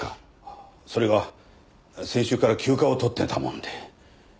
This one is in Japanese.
それが先週から休暇を取ってたもんで。